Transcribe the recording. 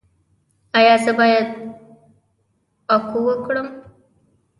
ایا زه باید اکو وکړم؟